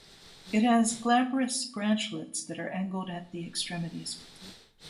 It has glabrous branchlets that are angled at the extremities.